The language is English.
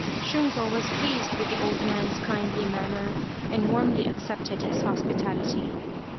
Shunko was pleased with the old man's kindly manner, and warmly accepted his hospitality.